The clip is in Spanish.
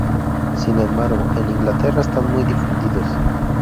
Sin embargo en Inglaterra están muy difundidos.